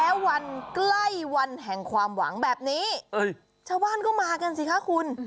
แล้ววันใกล้วันแห่งความหวังแบบนี้ชาวบ้านก็มากันสิคะคุณ